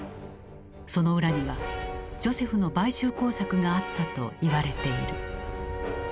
その裏にはジョセフの買収工作があったと言われている。